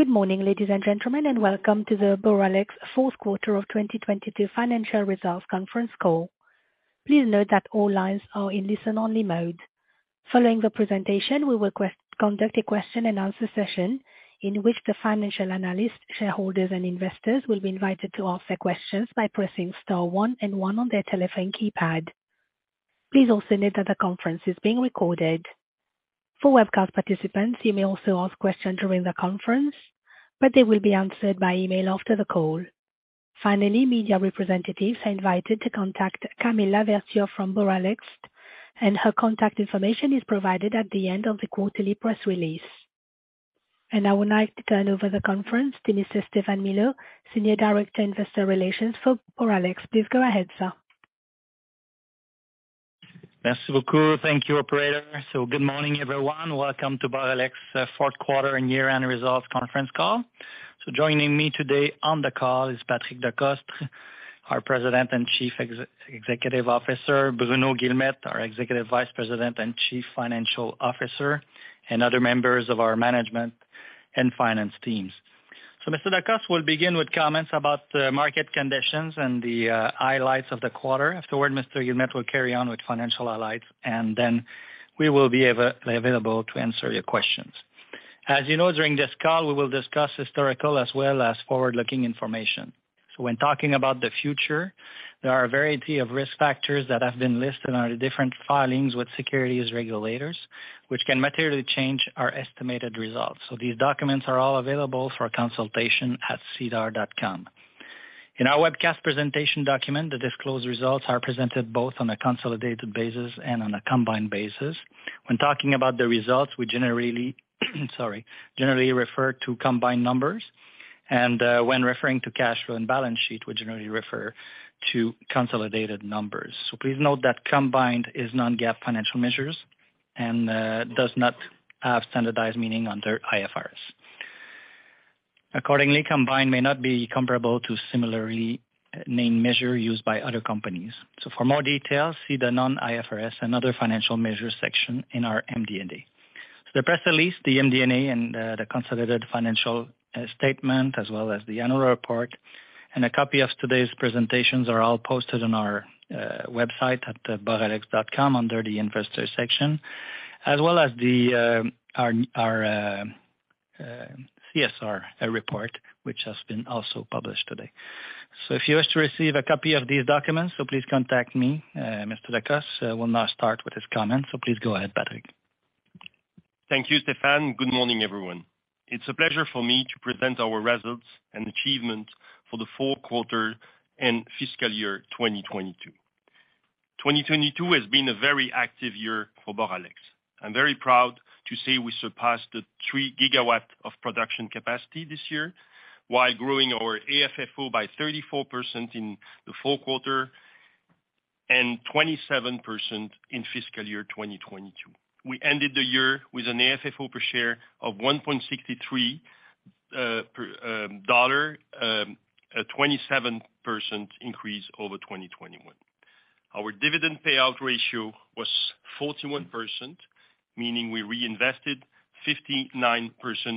Good morning, ladies and gentlemen, welcome to the Boralex Q4 of 2022 financial results conference call. Please note that all lines are in listen-only mode. Following the presentation, we will conduct a question and answer session in which the financial analysts, shareholders, and investors will be invited to ask their questions by pressing star 1 and 1 on their telephone keypad. Please also note that the conference is being recorded. For webcast participants, you may also ask questions during the conference, but they will be answered by email after the call. Finally, media representatives are invited to contact Camilla Vertua from Boralex, her contact information is provided at the end of the quarterly press release. I would like to turn over the conference to Mr. Stéphane Milot, Senior Director, Investor Relations for Boralex. Please go ahead, sir. Thank you, operator. Good morning, everyone. Welcome to Boralex Q4 and year-end results conference call. Joining me today on the call is Patrick Decostre, our President and Chief Executive Officer, Bruno Guilmette, our Executive Vice President and Chief Financial Officer, and other members of our management and finance teams. Mr. Decostre will begin with comments about the market conditions and the highlights of the quarter. Afterward, Mr. Guilmette will carry on with financial highlights, and then we will be available to answer your questions. As you know, during this call, we will discuss historical as well as forward-looking information. When talking about the future, there are a variety of risk factors that have been listed on the different filings with securities regulators, which can materially change our estimated results. These documents are all available for consultation at SEDAR. In our webcast presentation document, the disclosed results are presented both on a consolidated basis and on a combined basis. When talking about the results, we generally refer to combined numbers, and when referring to cash flow and balance sheet, we generally refer to consolidated numbers. Please note that combined is non-GAAP financial measures and does not have standardized meaning under IFRS. Accordingly, combined may not be comparable to similarly named measure used by other companies. For more details, see the non-IFRS another financial measure section in our MD&A. The press release, the MD&A and the consolidated financial statement, as well as the annual report and a copy of today's presentations are all posted on our website at boralex.com under the investor section, as well as our CSR report, which has been also published today. If you wish to receive a copy of these documents, so please contact me. Mr. Decostre will now start with his comments. Please go ahead, Patrick. Thank you, Stephane. Good morning, everyone. It's a pleasure for me to present our results and achievement for the Q4 and fiscal year 2022. 2022 has been a very active year for Boralex. I'm very proud to say we surpassed the 3 GW of production capacity this year, while growing our AFFO by 34% in the Q4 and 27% in fiscal year 2022. We ended the year with an AFFO per share of 1.63 dollar, a 27% increase over 2021. Our dividend payout ratio was 41%, meaning we reinvested 59%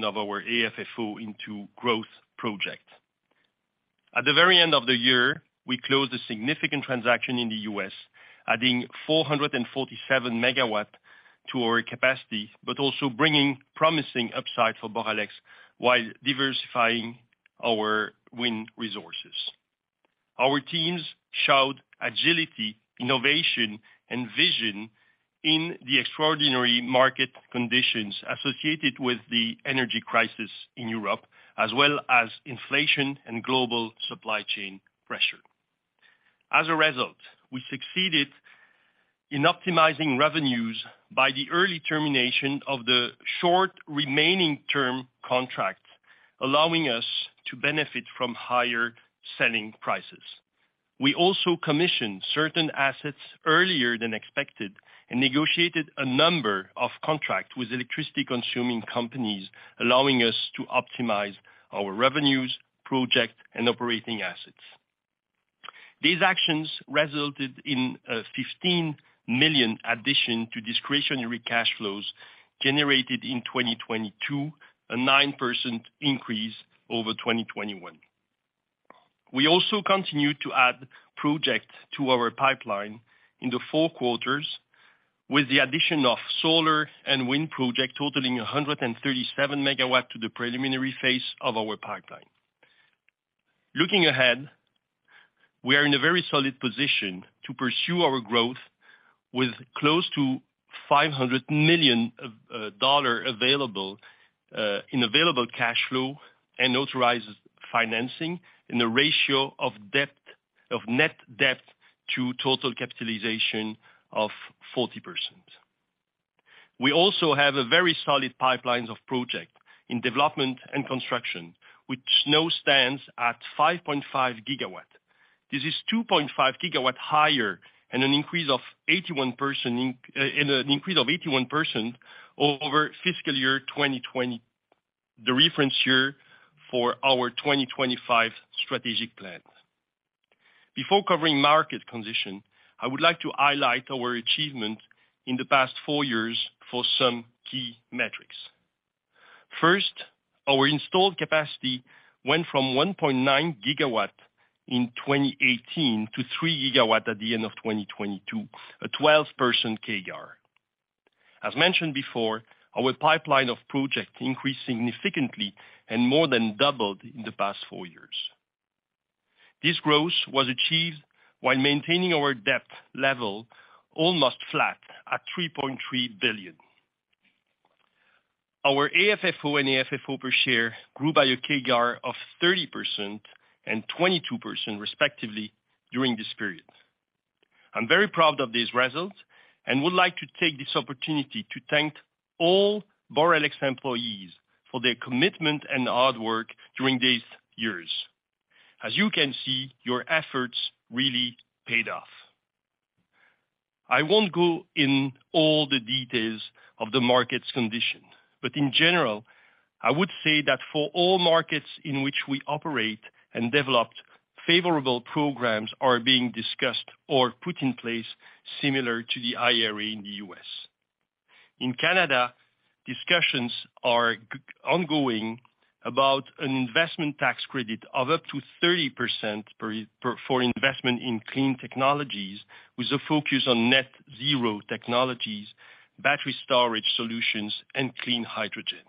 of our AFFO into growth project. At the very end of the year, we closed a significant transaction in the U.S., adding 447 MW to our capacity, also bringing promising upside for Boralex while diversifying our wind resources. Our teams showed agility, innovation, and vision in the extraordinary market conditions associated with the energy crisis in Europe, as well as inflation and global supply chain pressure. As a result, we succeeded in optimizing revenues by the early termination of the short remaining term contracts, allowing us to benefit from higher selling prices. We also commissioned certain assets earlier than expected and negotiated a number of contract with electricity consuming companies, allowing us to optimize our revenues, projects, and operating assets. These actions resulted in a 15 million addition to discretionary cash flows generated in 2022, a 9% increase over 2021. We also continued to add projects to our pipeline in the 4 quarters with the addition of solar and wind project totaling 137 MW to the preliminary phase of our pipeline. Looking ahead, we are in a very solid position to pursue our growth with close to 500 million dollar available in available cash flow and authorized financing in the ratio of net debt to total capitalization of 40%. We also have a very solid pipelines of project in development and construction, which now stands at 5.5 GW. This is 2.5 GW higher and an increase of 81% over fiscal year 2020, the reference year for our 2025 strategic plan. Before covering market condition, I would like to highlight our achievement in the past 4 years for some key metrics. First, our installed capacity went from 1.9 GW in 2018 to 3 GW at the end of 2022, a 12% CAGR. As mentioned before, our pipeline of projects increased significantly and more than doubled in the past four years. This growth was achieved while maintaining our debt level almost flat at 3.3 billion. Our AFFO and AFFO per share grew by a CAGR of 30% and 22% respectively during this period. I'm very proud of these results and would like to take this opportunity to thank all Boralex employees for their commitment and hard work during these years. As you can see, your efforts really paid off. I won't go in all the details of the market's condition, but in general, I would say that for all markets in which we operate and developed, favorable programs are being discussed or put in place similar to the IRA in the U.S. In Canada, discussions are ongoing about an investment tax credit of up to 30% per, for investment in clean technologies, with a focus on net zero technologies, battery storage solutions, and clean hydrogen.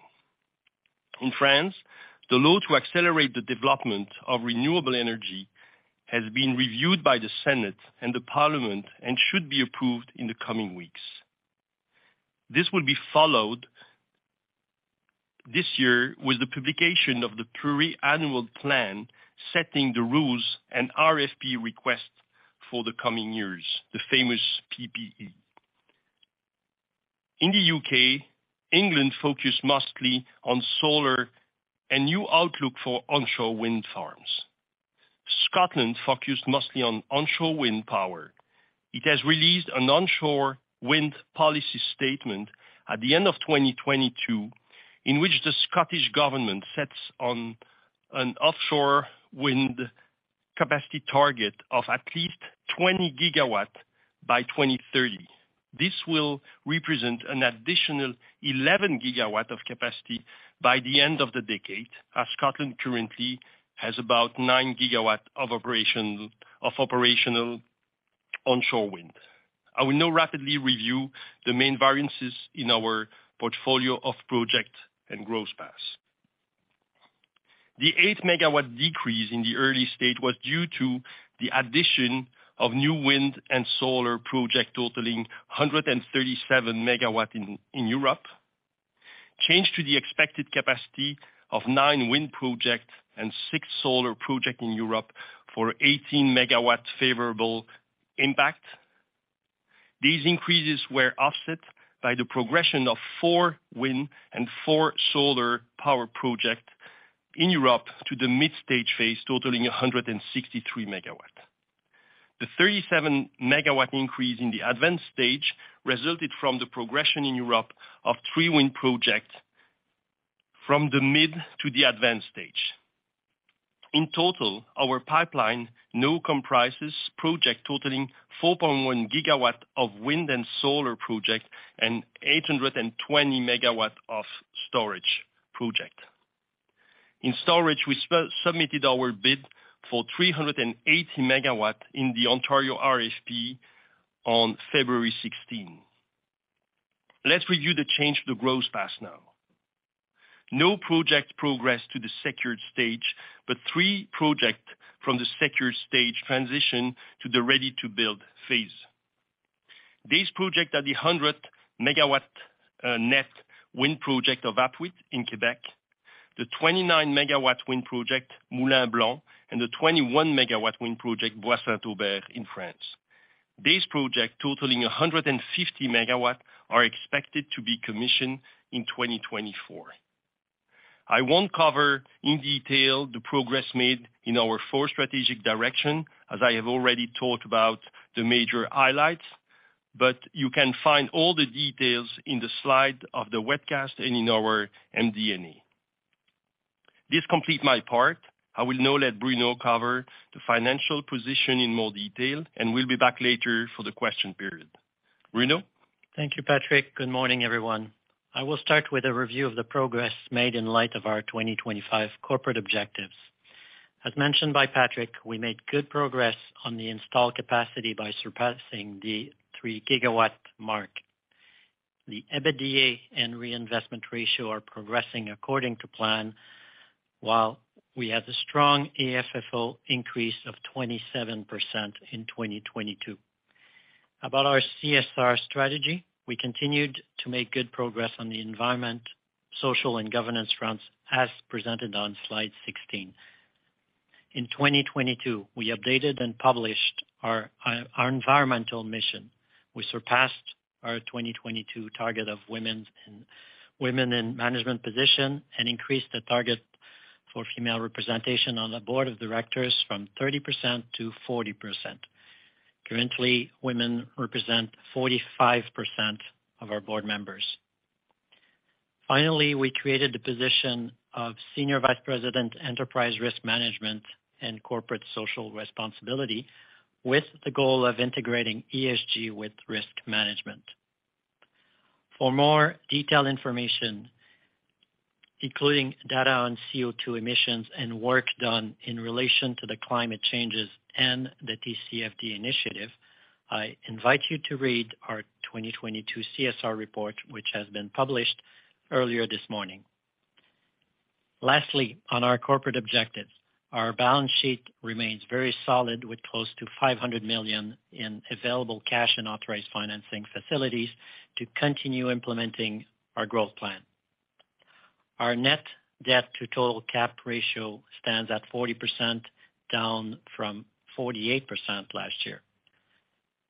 In France, the law to accelerate the development of renewable energy has been reviewed by the Senate and the Parliament and should be approved in the coming weeks. This will be followed this year with the publication of the triannual plan, setting the rules and RFP request for the coming years, the famous PPE. In the UK, England focused mostly on solar and new outlook for onshore wind farms. Scotland focused mostly on onshore wind power. It has released an onshore wind policy statement at the end of 2022, in which the Scottish government sets on an offshore wind capacity target of at least 20 GW by 2030. This will represent an additional 11 GW of capacity by the end of the decade, as Scotland currently has about 9 GW of operational onshore wind. I will now rapidly review the main variances in our portfolio of project and growth paths. The 8 MW decrease in the early stage was due to the addition of new wind and solar projects totaling 137 MW in Europe. Change to the expected capacity of 9 wind projects and 6 solar projects in Europe for 18 MW favorable impact. These increases were offset by the progression of 4 wind and 4 solar power projects in Europe to the mid-stage phase, totaling 163 MW. The 37 MW increase in the advanced stage resulted from the progression in Europe of 3 wind projects from the mid to the advanced stage. In total, our pipeline now comprises projects totaling 4.1 GW of wind and solar projects and 820 MW of storage project. In storage, we submitted our bid for 380 MW in the Ontario RFP on February 16. Let's review the change to the growth paths now. No project progressed to the secured stage, but 3 projects from the secured stage transition to the ready-to-build phase. These projects are the 100 MW net wind project of Apuiat in Quebec, the 29 MW wind project, Moulin Blanc, and the 21 MW wind project, Bois de Saint-Aubert in France. These projects, totaling 150 MW, are expected to be commissioned in 2024. I won't cover in detail the progress made in our four strategic direction, as I have already talked about the major highlights, but you can find all the details in the slide of the webcast and in our MD&A. This complete my part. I will now let Bruno cover the financial position in more detail, and we'll be back later for the question period. Bruno? Thank you, Patrick. Good morning, everyone. I will start with a review of the progress made in light of our 2025 corporate objectives. As mentioned by Patrick, we made good progress on the installed capacity by surpassing the 3 GW mark. The EBITDA and reinvestment ratio are progressing according to plan, while we had a strong AFFO increase of 27% in 2022. About our CSR strategy, we continued to make good progress on the environment, social, and governance fronts, as presented on slide 16. In 2022, we updated and published our environmental mission. We surpassed our 2022 target of women in management position and increased the target for female representation on the board of directors from 30 to 40%. Currently, women represent 45% of our board members. We created the position of Senior Vice President, Enterprise Risk Management and Corporate Social Responsibility, with the goal of integrating ESG with risk management. For more detailed information, including data on CO₂ emissions and work done in relation to the climate changes and the TCFD initiative, I invite you to read our 2022 CSR report, which has been published earlier this morning. On our corporate objectives, our balance sheet remains very solid, with close to 500 million in available cash and authorized financing facilities to continue implementing our growth plan. Our net debt to total cap ratio stands at 40%, down from 48% last year.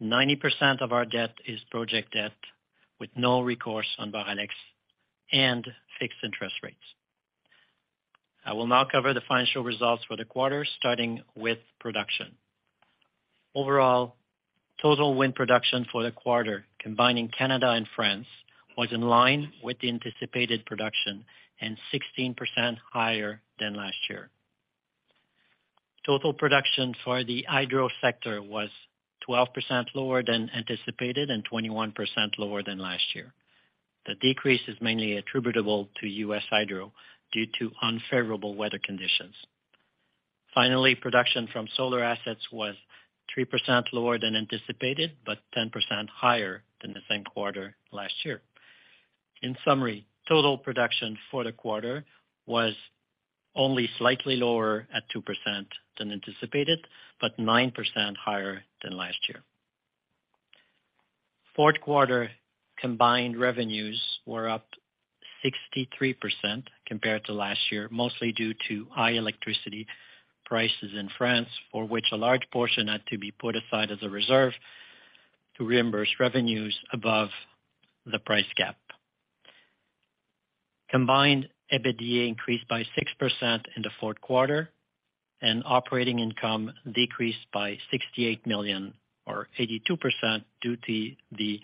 90% of our debt is project debt, with no recourse on Boralex and fixed interest rates. I will now cover the financial results for the quarter, starting with production. Total wind production for the quarter, combining Canada and France, was in line with the anticipated production and 16% higher than last year. Total production for the hydro sector was 12% lower than anticipated and 21% lower than last year. The decrease is mainly attributable to US Hydro due to unfavorable weather conditions. Production from solar assets was 3% lower than anticipated, but 10% higher than the same quarter last year. Total production for the quarter was only slightly lower at 2% than anticipated, but 9% higher than last year. Q4 combined revenues were up 63% compared to last year, mostly due to high electricity prices in France, for which a large portion had to be put aside as a reserve to reimburse revenues above the price gap. Combined, EBITDA increased by 6% in the Q4 and operating income decreased by 68 million or 82% due to the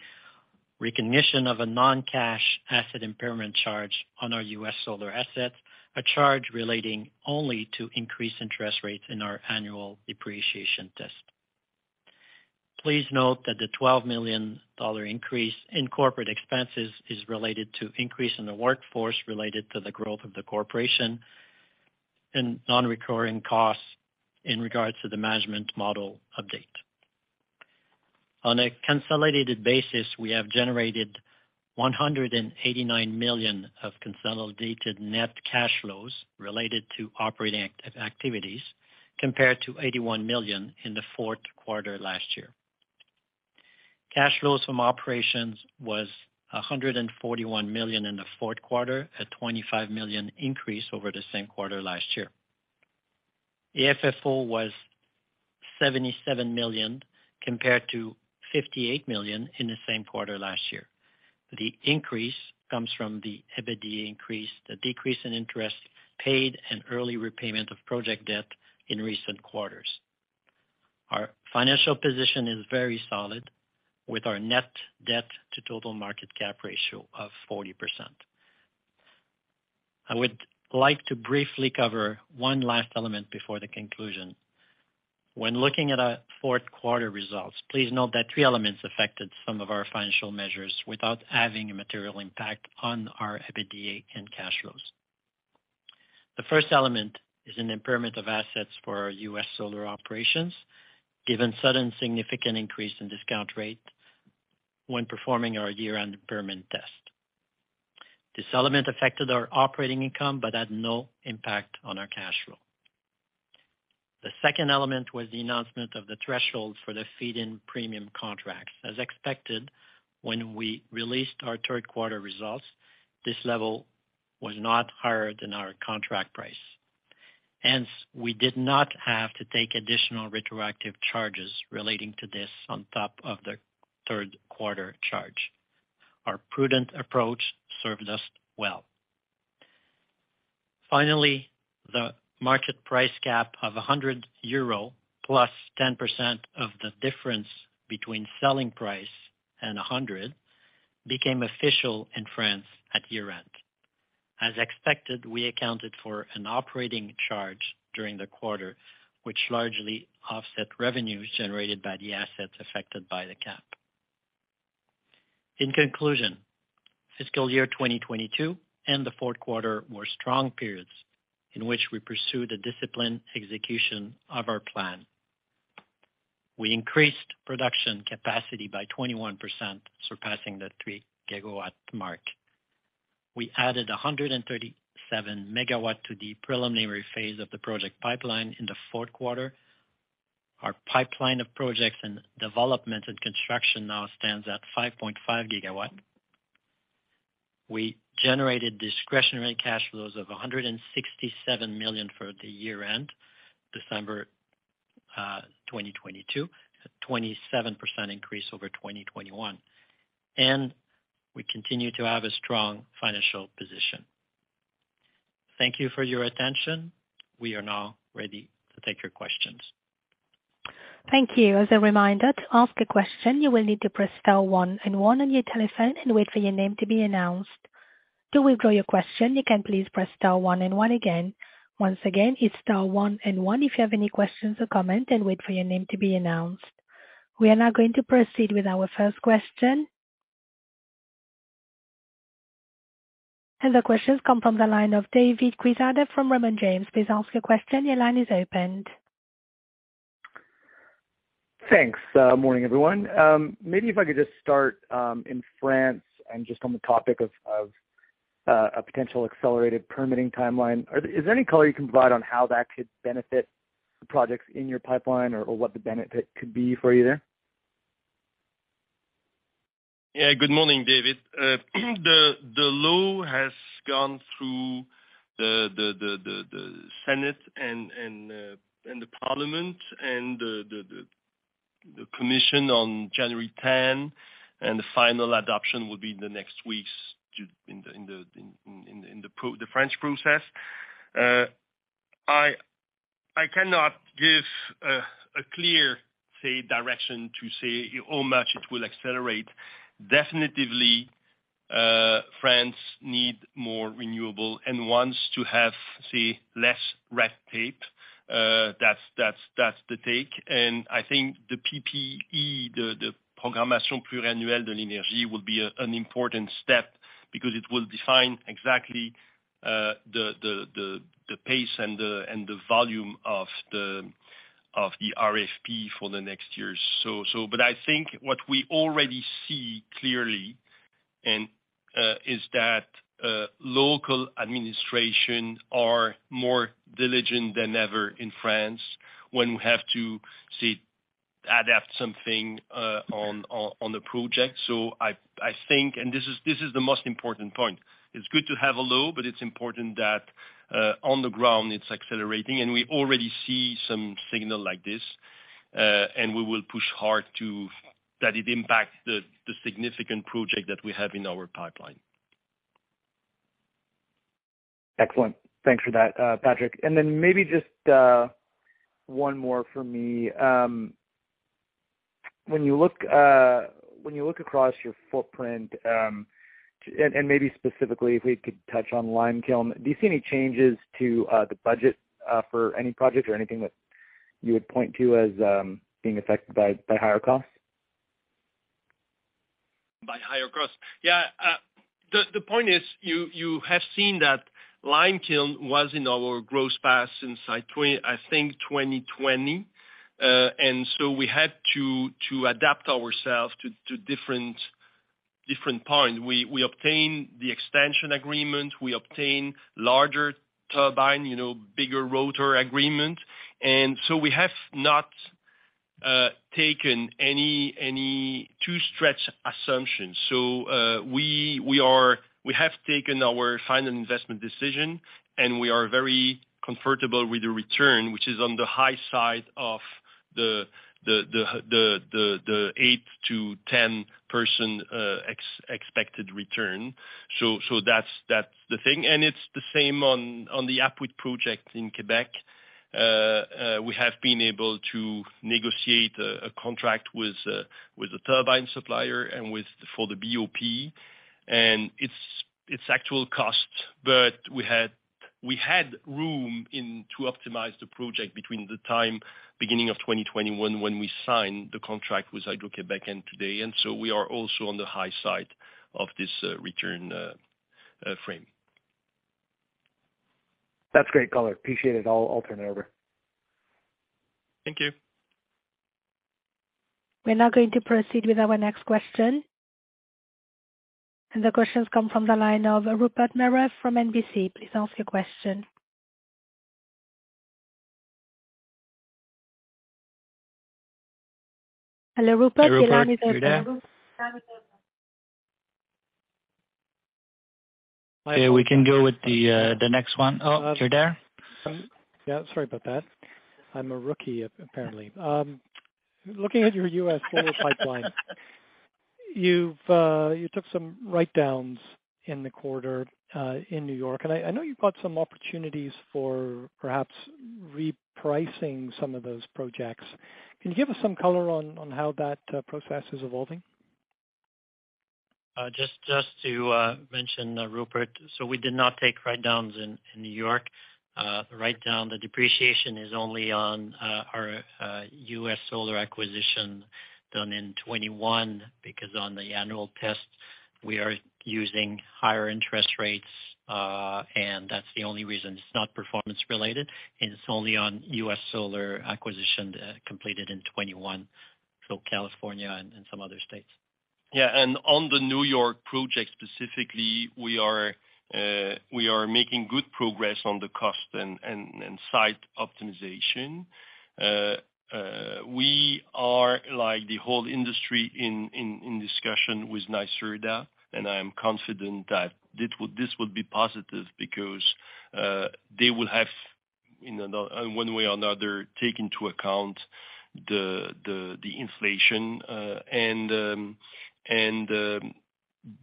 recognition of a non-cash asset impairment charge on our US Solar assets, a charge relating only to increased interest rates in our annual depreciation test. Please note that the 12 million dollar increase in corporate expenses is related to increase in the workforce related to the growth of the corporation and non-recurring costs in regards to the management model update. On a consolidated basis, we have generated 189 million of consolidated net cash flows related to operating activities, compared to 81 million in the Q4 last year. Cash flows from operations was 141 million in the Q4, a 25 million increase over the same quarter last year. AFFO was 77 million compared to 58 million in the same quarter last year. The increase comes from the EBITDA increase, the decrease in interest paid, and early repayment of project debt in recent quarters. Our financial position is very solid, with our net debt to total market cap ratio of 40%. I would like to briefly cover one last element before the conclusion. When looking at our Q4 results, please note that three elements affected some of our financial measures without having a material impact on our EBITDA and cash flows. The first element is an impairment of assets for our US Solar operations, given sudden significant increase in discount rate when performing our year-end impairment test. This element affected our operating income but had no impact on our cash flow. The second element was the announcement of the threshold for the feed-in premium contracts. As expected, when we released our Q3 results, this level was not higher than our contract price, hence we did not have to take additional retroactive charges relating to this on top of the Q3 charge. Our prudent approach served us well. Finally, the market price cap of 100 euro plus 10% of the difference between selling price and 100 became official in France at year-end. As expected, we accounted for an operating charge during the quarter, which largely offset revenues generated by the assets affected by the cap. In conclusion, fiscal year 2022 and the Q4 were strong periods in which we pursued a disciplined execution of our plan. We increased production capacity by 21%, surpassing the 3 GW mark. We added 137 MW to the preliminary phase of the project pipeline in the Q4. Our pipeline of projects and development and construction now stands at 5.5 GW. We generated discretionary cash flows of 167 million for the year-end December, 2022, a 27% increase over 2021. We continue to have a strong financial position. Thank you for your attention. We are now ready to take your questions. Thank you. As a reminder, to ask a question, you will need to press star one and one on your telephone and wait for your name to be announced. To withdraw your question, you can please press star one and one again. Once again, it's star one and one, if you have any questions or comment, then wait for your name to be announced. We are now going to proceed with our first question. The questions come from the line of David Quezada Please ask your question. Your line is opened. Thanks. Morning, everyone. Maybe if I could just start, in France and just on the topic of a potential accelerated permitting timeline. Is there any color you can provide on how that could benefit the projects in your pipeline or what the benefit could be for you there? Good morning, David. The law has gone through the Senate and the Parliament and the Commission on January 10, and the final adoption will be in the next weeks in the French process. I cannot give a clear, say, direction to say how much it will accelerate. Definitively, France need more renewable and wants to have, say, less red tape. That's the take. I think the PPE, the Programmation pluriannuelle de l'énergie will be an important step because it will define exactly the pace and the volume of the RFP for the next years. I think what we already see clearly and is that local administration are more diligent than ever in France when we have to, say, adapt something on the project. I think, and this is the most important point, it's good to have a law, but it's important that on the ground, it's accelerating, and we already see some signal like this, and we will push hard to that it impacts the significant project that we have in our pipeline. Excellent. Thanks for that, Patrick. Maybe just one more for me. When you look, when you look across your footprint, and maybe specifically if we could touch on Limekiln, do you see any changes to the budget for any project or anything that you would point to as being affected by higher costs? By higher costs? Yeah. The point is, you have seen that Limekiln was in our growth path since I think 2020. We had to adapt ourselves to different point. We obtained the extension agreement. We obtained larger turbine, you know, bigger rotor agreement. We have not taken any too-stretch assumptions. We have taken our final investment decision, and we are very comfortable with the return, which is on the high side of the 8%-10% expected return. That's the thing. It's the same on the Apuiat project in Quebec. We have been able to negotiate a contract with the turbine supplier and with... for the BOP, and it's actual cost. We had room in to optimize the project between the time beginning of 2021 when we signed the contract with Hydro-Québec and today. We are also on the high side of this return frame. That's great color. Appreciate it. I'll turn it over. Thank you. We're now going to proceed with our next question. The questions come from the line of Rupert Murrell from NBC. Please ask your question. Hello, Rupert. Your line is open. Hey, Rupert. You're there? Your line is open. Yeah, we can go with the next one. Oh, you're there? Yeah, sorry about that. I'm a rookie apparently. Looking at your US Solar pipeline. You've, you took some write-downs in the quarter, in New York. I know you've got some opportunities for perhaps repricing some of those projects. Can you give us some color on how that process is evolving? Just to mention, Rupert, we did not take write-downs in New York. The write-down, the depreciation is only on our US Solar acquisition done in 2021, because on the annual test, we are using higher interest rates, and that's the only reason. It's not performance related, and it's only on US Solar acquisition completed in 2021, so California and some other states. Yeah. On the New York project specifically, we are making good progress on the cost and site optimization. we are, like the whole industry, in discussion with NYSERDA. I am confident that this would be positive because they will have In one way or another, take into account the inflation.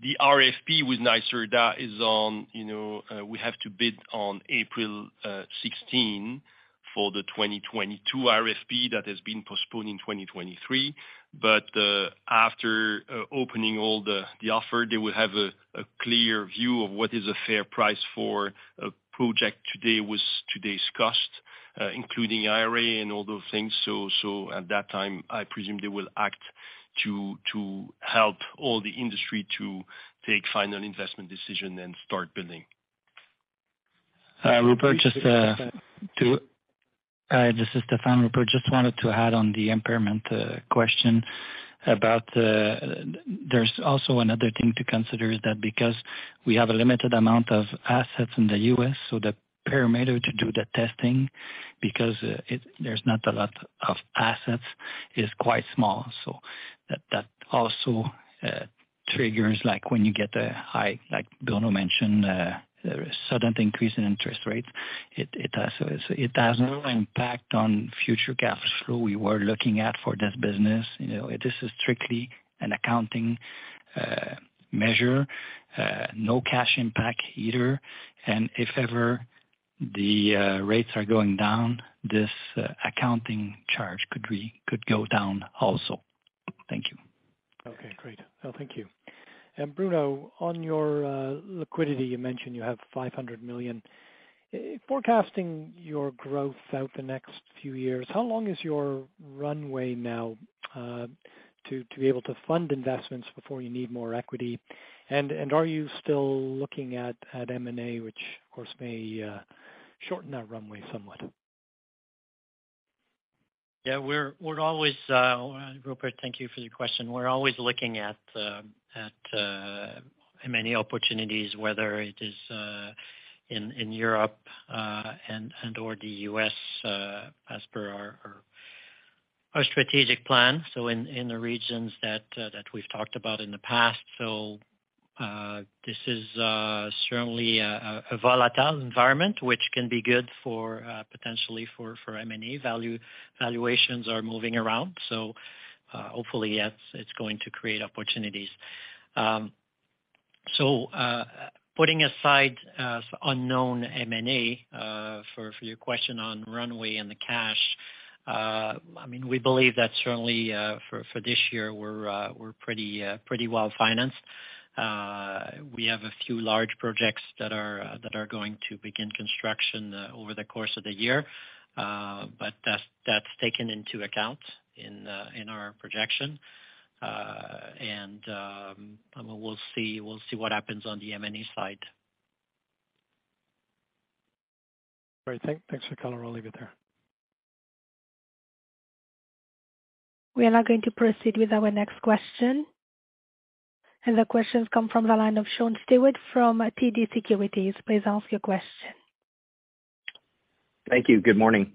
The RFP with NYSERDA is on, you know, we have to bid on April 16 for the 2022 RFP that has been postponed in 2023. After opening all the offer, they will have a clear view of what is a fair price for a project today with today's cost, including IRA and all those things. At that time, I presume they will act to help all the industry to take final investment decision and start building. Rupert, just Hi, this is Stephane. Rupert, just wanted to add on the impairment question about there's also another thing to consider is that because we have a limited amount of assets in the US, the parameter to do the testing, because there's not a lot of assets, is quite small. That also triggers like when you get a high, like Bruno mentioned, a sudden increase in interest rates. It has no impact on future cash flow we were looking at for this business. You know, this is strictly an accounting measure, no cash impact either. If ever the rates are going down, this accounting charge could go down also. Thank you. Okay, great. No, thank you. Bruno, on your liquidity, you mentioned you have 500 million. Forecasting your growth out the next few years, how long is your runway now to be able to fund investments before you need more equity? Are you still looking at M&A, which of course may shorten that runway somewhat? Yeah, we're always, Rupert, thank you for your question. We're always looking at many opportunities, whether it is in Europe and/or the US, as per our strategic plan, in the regions that we've talked about in the past. This is certainly a volatile environment, which can be good for potentially for M&A value. Valuations are moving around, hopefully, yes, it's going to create opportunities. I mean, putting aside unknown M&A for your question on runway and the cash, we believe that certainly for this year, we're pretty well financed. We have a few large projects that are going to begin construction over the course of the year. That's taken into account in our projection. We'll see what happens on the M&A side. All right. Thanks for color. I'll leave it there. We are now going to proceed with our next question. The question's come from the line of Sean Steuart from TD Securities. Please ask your question. Thank you. Good morning.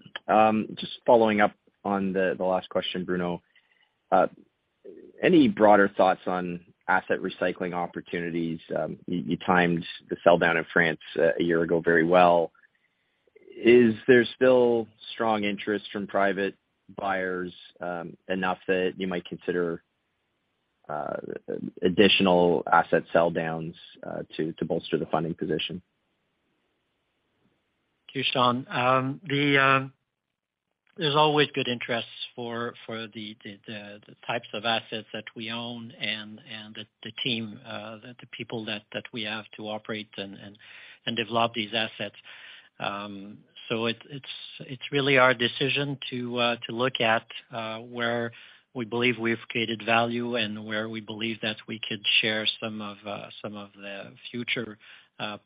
Just following up on the last question, Bruno. Any broader thoughts on asset recycling opportunities? You timed the sell down in France a year ago very well. Is there still strong interest from private buyers, enough that you might consider additional asset sell downs to bolster the funding position? Sure, Sean. There's always good interest for the types of assets that we own and the team, the people that we have to operate and develop these assets. It's really our decision to look at where we believe we've created value and where we believe that we could share some of the future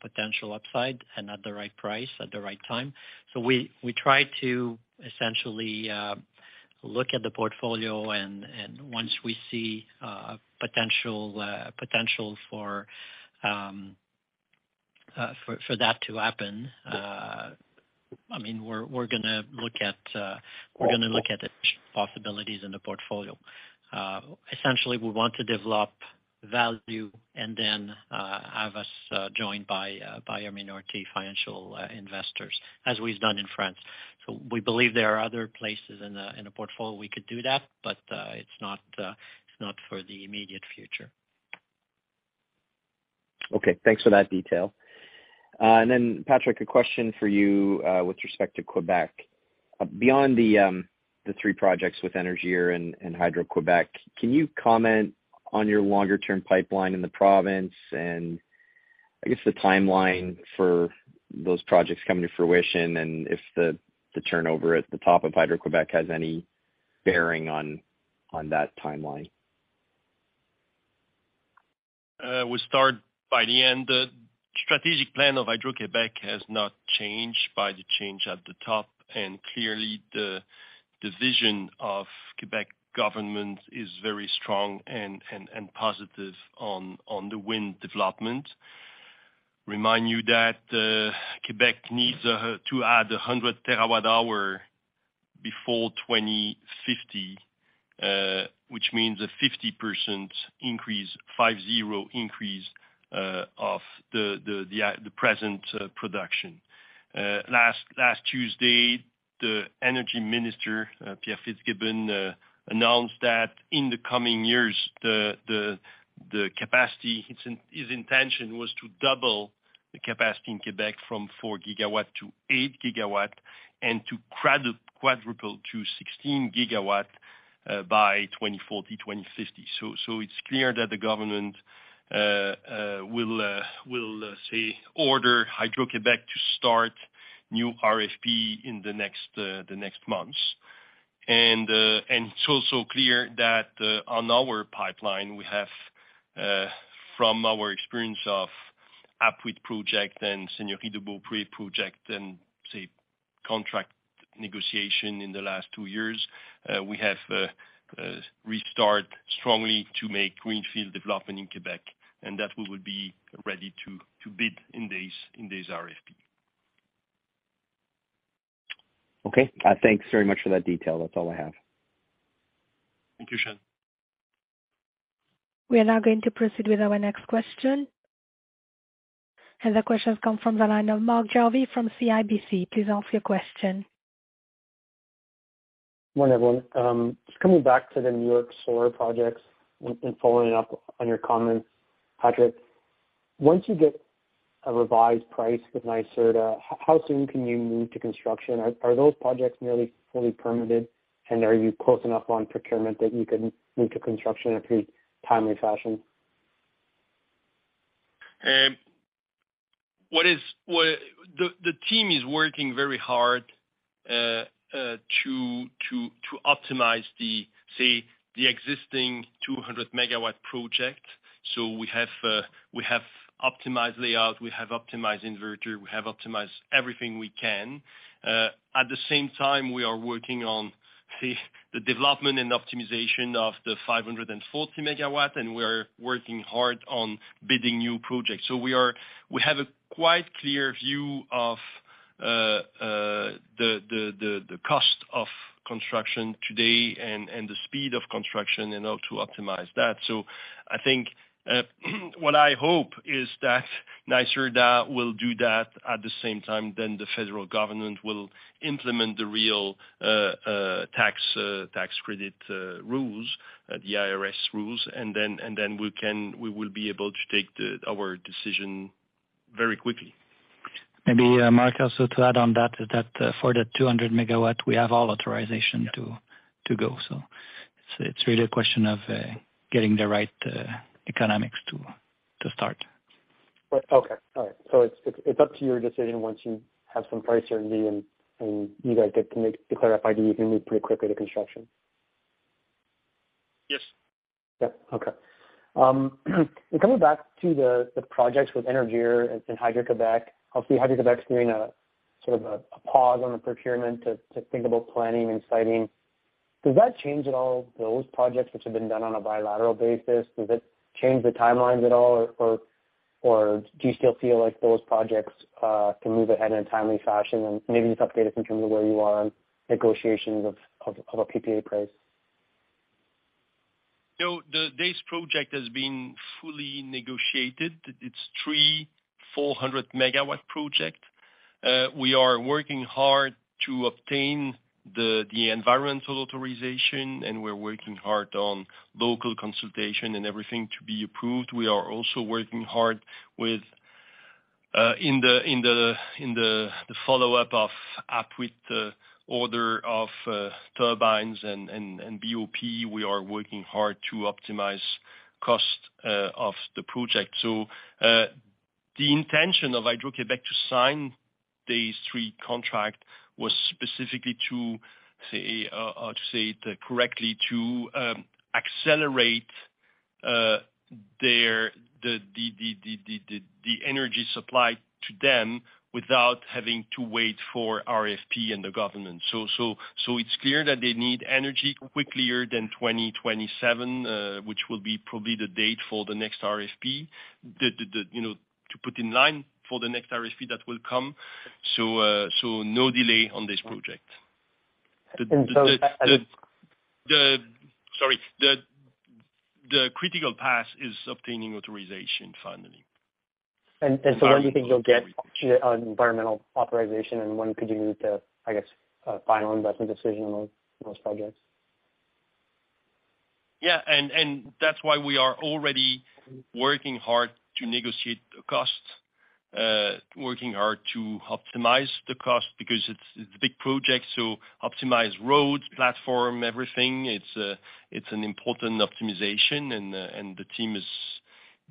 potential upside and at the right price, at the right time. We try to essentially look at the portfolio and once we see potential for that to happen, I mean, we're gonna look at, we're gonna look at the possibilities in the portfolio. Essentially we want to develop value and then, have us joined by our minority financial investors, as we've done in France. We believe there are other places in the portfolio we could do that, but it's not for the immediate future. Okay, thanks for that detail. Patrick, a question for you with respect to Quebec. Beyond the three projects with Énergir and Hydro-Québec, can you comment on your longer term pipeline in the province? I guess the timeline for those projects coming to fruition, and if the turnover at the top of Hydro-Québec has any bearing on that timeline. We start by the end. The strategic plan of Hydro-Québec has not changed by the change at the top, and clearly the division of Quebec government is very strong and positive on the wind development. Remind you that Quebec needs to add 100 terawatt hour before 2050, which means a 50% increase, 50 increase of the present production. Last Tuesday, the Energy Minister Pierre Fitzgibbon announced that in the coming years the capacity, his intention was to double the capacity in Quebec from 4 gigawatt to 8 gigawatt and to quadruple to 16 gigawatt by 2040, 2050. It's clear that the government will say, order Hydro-Québec to start new RFP in the next months. It's also clear that on our pipeline we have from our experience of Apuiat project and Senio Hidebo Pre project and, say, contract negotiation in the last 2 years, we have restart strongly to make Greenfield development in Quebec, and that we will be ready to bid in this, in this RFP. Thanks very much for that detail. That's all I have. Thank you, Sean. We are now going to proceed with our next question. The question has come from the line of Mark Jarvi from CIBC. Please ask your question. Morning, everyone. Just coming back to the New York Solar projects and following up on your comments, Patrick, once you get a revised price with NYSERDA, how soon can you move to construction? Are those projects nearly fully permitted, and are you close enough on procurement that you can move to construction in a pretty timely fashion? The team is working very hard to optimize the, say, the existing 200 megawatt project. We have optimized layout, we have optimized inverter, we have optimized everything we can. At the same time, we are working on, say, the development and optimization of the 540 megawatt, and we're working hard on bidding new projects. We have a quite clear view of the cost of construction today and the speed of construction and how to optimize that. I think what I hope is that NYSERDA will do that at the same time than the federal government will implement the real tax credit rules, the IRS rules. We will be able to take our decision very quickly. Maybe, Mark, also to add on that, for the 200 MW, we have all authorization to go. It's really a question of getting the right economics to start. Okay. All right. It's up to your decision once you have some price certainty and you guys get to make the clarify, you can move pretty quickly to construction. Yes. Yeah. Okay. Coming back to the projects with Énergir and Hydro-Québec. Obviously Hydro-Québec's doing a, sort of a, pause on the procurement to think about planning and siting. Does that change at all those projects which have been done on a bilateral basis? Does it change the timelines at all? Or do you still feel like those projects can move ahead in a timely fashion? Maybe just update us in terms of where you are on negotiations of a PPA price. This project has been fully negotiated. It's 3 400 megawatt project. We are working hard to obtain the environmental authorization, and we're working hard on local consultation and everything to be approved. We are also working hard with in the follow up of Apuiat the order of turbines and BOP. We are working hard to optimize cost of the project. The intention of Hydro-Québec to sign these 3 contract was specifically to say it correctly, to accelerate their energy supply to them without having to wait for RFP and the government. It's clear that they need energy quicker than 2027, which will be probably the date for the next RFP. You know, to put in line for the next RFP that will come. No delay on this project. And so Sorry. The critical path is obtaining authorization finally. When do you think you'll get environmental authorization and when could you make, I guess, a final investment decision on those projects? That's why we are already working hard to negotiate the cost, working hard to optimize the cost because it's a big project, so optimize roads, platform, everything. It's an important optimization, and the team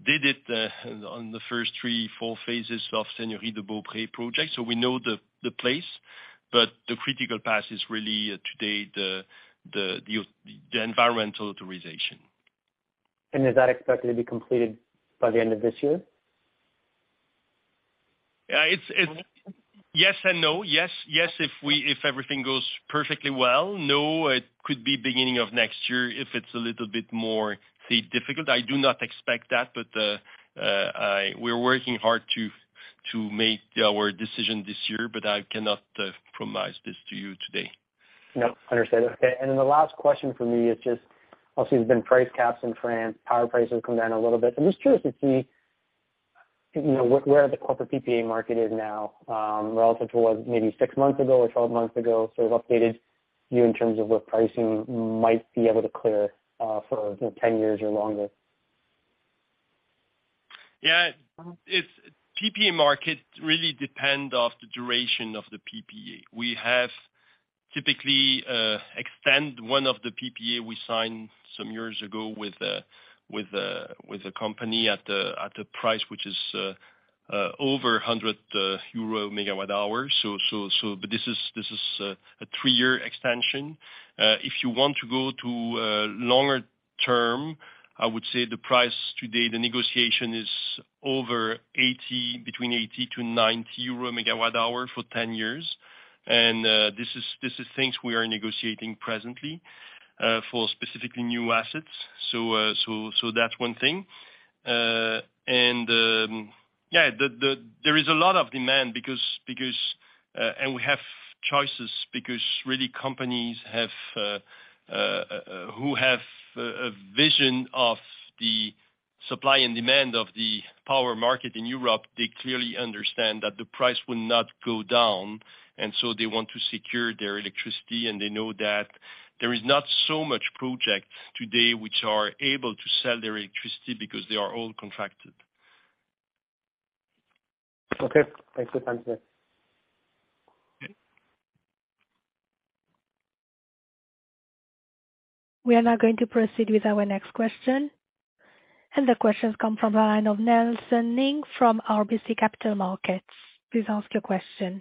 did it on the first three, four phases of Senio Hidebo Pre project. We know the place, but the critical path is really today the environmental authorization. Is that expected to be completed by the end of this year? Yeah, it's Yes and no. Yes. Yes, if everything goes perfectly well. No, it could be beginning of next year if it's a little bit more, say, difficult. I do not expect that, but we're working hard to make our decision this year, but I cannot promise this to you today. No. Understood. Okay. The last question for me is just, obviously, there's been price caps in France, power prices come down a little bit. I'm just curious to see, you know, where the corporate PPA market is now, relative to what maybe six months ago or 12 months ago, sort of updated you in terms of what pricing might be able to clear, for 10 years or longer. Yeah. PPA market really depend of the duration of the PPA. We have typically extend one of the PPA we signed some years ago with a company at a price which is over 100 euro megawatt-hour. This is a 3-year extension. If you want to go to a longer term, I would say the price today, the negotiation is over 80, between 80 to 90 megawatt-hour for 10 years. This is things we are negotiating presently for specifically new assets. That's one thing. There is a lot of demand because we have choices because really companies have who have a vision of the supply and demand of the power market in Europe, they clearly understand that the price will not go down, they want to secure their electricity, they know that there is not so much projects today which are able to sell their electricity because they are all contracted. Okay. Thanks for the time today. Okay. We are now going to proceed with our next question. The question comes from the line of Nelson Ng from RBC Capital Markets. Please ask your question.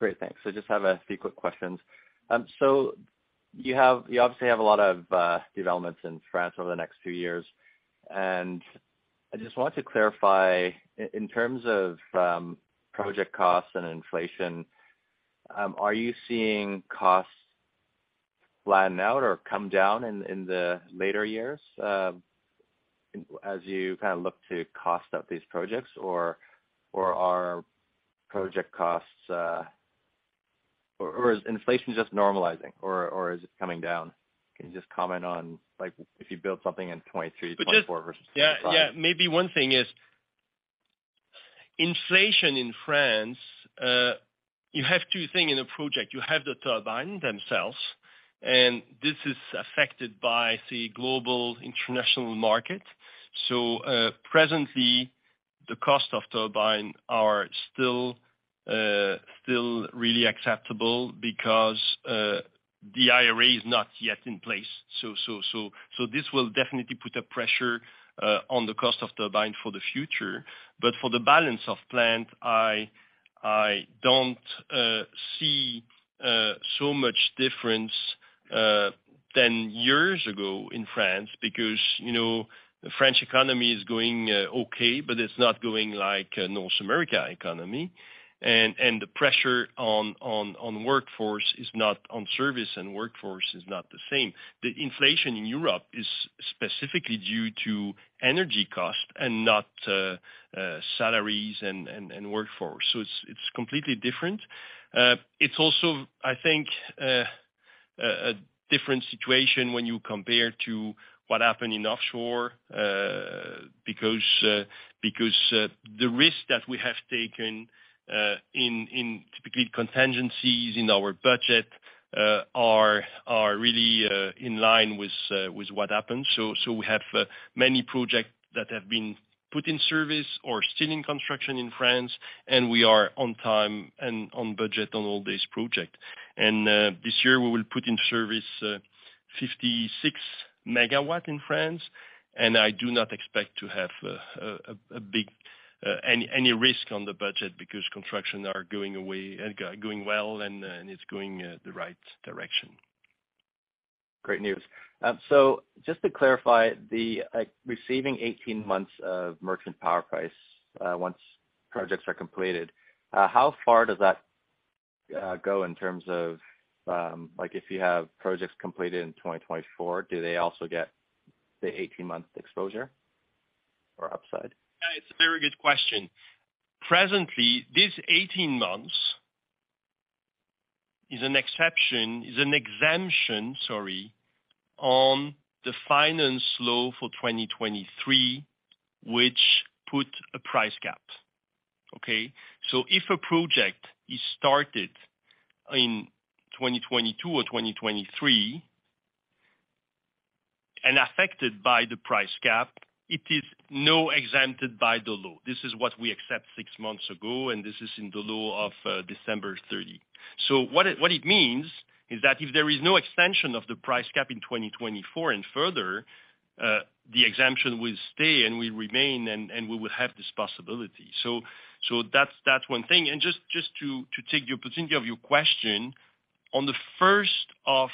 Great. Thanks. Just have a few quick questions. You obviously have a lot of developments in France over the next few years. I just want to clarify, in terms of project costs and inflation, are you seeing costs flatten out or come down in the later years, as you kind of look to cost out these projects or are project costs... Or is inflation just normalizing or is it coming down? Can you just comment on, like, if you build something in 2023, 2024 versus 2025? Yeah. Yeah. Maybe one thing is inflation in France, you have two things in a project. You have the turbine themselves, and this is affected by the global international market. presently, the cost of turbine are still really acceptable because the IRA is not yet in place. this will definitely put a pressure on the cost of turbine for the future. for the balance of plant, I don't see so much difference than years ago in France because, you know, the French economy is going okay, but it's not going like North America economy. the pressure on workforce is not on service, and workforce is not the same. The inflation in Europe is specifically due to energy cost and not salaries and workforce. It's completely different. It's also, I think, a different situation when you compare to what happened in offshore, because the risk that we have taken in typically contingencies in our budget are really in line with what happened. We have many projects that have been put in service or still in construction in France, and we are on time and on budget on all this project. This year, we will put in service 56 MW in France, and I do not expect to have a big any risk on the budget because construction are going well and it's going the right direction. Great news. Just to clarify the receiving 18 months of merchant power price once projects are completed, how far does that go in terms of like if you have projects completed in 2024, do they also get the 18-month exposure or upside? It's a very good question. Presently, this 18 months is an exemption, sorry, on the finance law for 2023, which put a price cap. Okay? If a project is started in 2022 or 2023 and affected by the price cap, it is no exempted by the law. This is what we accept six months ago, and this is in the law of December 30. What it means is that if there is no extension of the price cap in 2024 and further, the exemption will stay and will remain, and we will have this possibility. That's one thing. Just to take the opportunity of your question, on the 1st of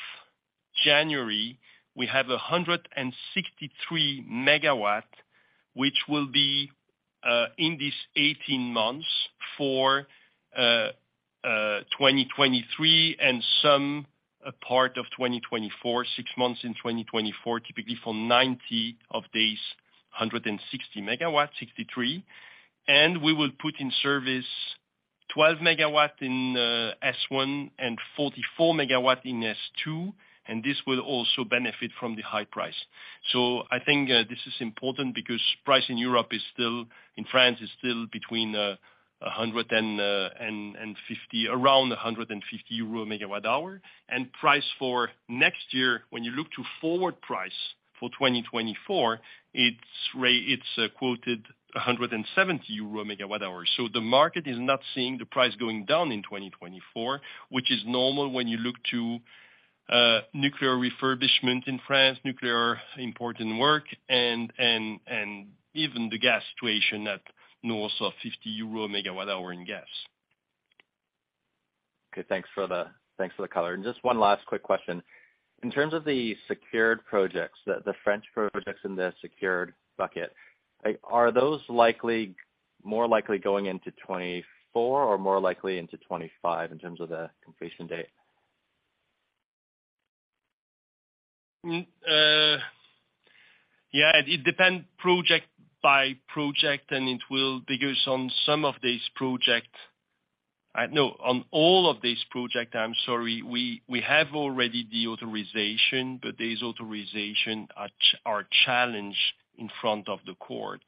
January, we have 163 megawatt, which will be in this 18 months for 2023 and some, a part of 2024, 6 months in 2024, typically for 90 of these 160 megawatts, 63. We will put in service 12 megawatts in S one and 44 megawatts in S two, and this will also benefit from the high price. I think this is important because price in Europe is still. in France, is still between 100 and 50, around 100 EUR megawatt-hour. Price for next year, when you look to forward price for 2024, it's quoted 170 euro megawatt-hour. The market is not seeing the price going down in 2024, which is normal when you look to nuclear refurbishment in France, nuclear important work and even the gas situation at north of 50 euro megawatt hour in gas. Okay. Thanks for the color. Just one last quick question. In terms of the secured projects, the French projects in the secured bucket, like, are those more likely going into 2024 or more likely into 2025 in terms of the completion date? Yeah, it depends project by project, and it will, because on some of these project. No, on all of these project, I'm sorry, we have already the authorization, but these authorization are challenged in front of the court.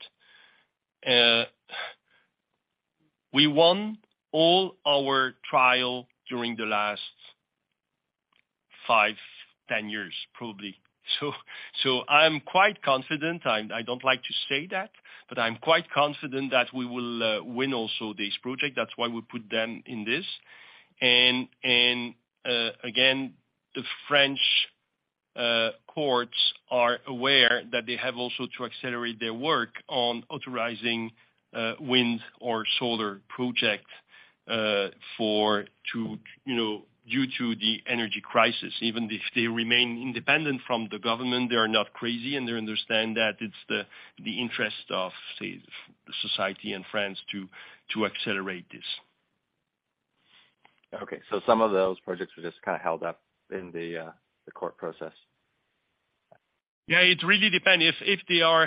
We won all our trial during the last 5, 10 years, probably. I'm quite confident, I don't like to say that, but I'm quite confident that we will win also this project. That's why we put them in this. Again, the French courts are aware that they have also to accelerate their work on authorizing wind or solar project for, you know, due to the energy crisis. Even if they remain independent from the government, they are not crazy. They understand that it's the interest of, say, the society and France to accelerate this. Okay. Some of those projects were just kind a held up in the court process. Yeah, it really depends. If they are,